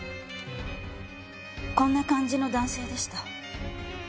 こんな感じの男性でした。